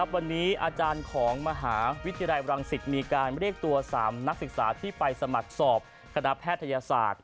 วันนี้อาจารย์ของมหาวิทยาลัยบรังสิตมีการเรียกตัว๓นักศึกษาที่ไปสมัครสอบคณะแพทยศาสตร์